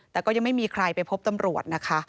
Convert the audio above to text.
แต่ก็ยังไม่มีใครไปพบตำรวจนะคะ